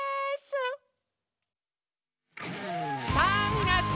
さぁみなさん！